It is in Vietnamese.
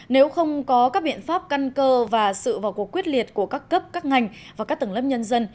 nếu không có các biện pháp căn cơ và sự vào cuộc quyết liệt của các cấp các ngành và các tầng lớp nhân dân